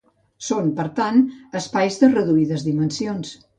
Són per tant espais de reduïdes dimensions.